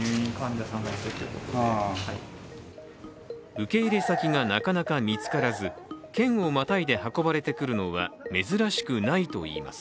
受け入れ先がなかなか見つからず、県をまたいで運ばれてくるのは珍しくないといいます。